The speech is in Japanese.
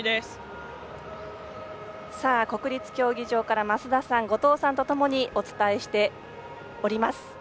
国立競技場から増田さん、後藤さんとともにお伝えしております。